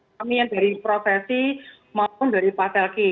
kami yang dari profesi maupun dari patelki